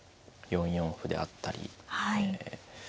４四歩であったりえ